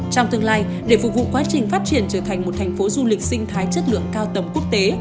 trong tương lai để phục vụ quá trình phát triển trở thành một thành phố du lịch sinh thái chất lượng cao tầm quốc tế